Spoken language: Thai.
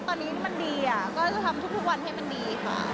ตอนนี้มันดีก็จะทำทุกวันให้มันดีค่ะ